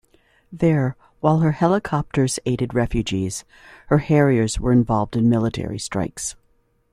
There, while her helicopters aided refugees, her Harriers were involved in military strikes.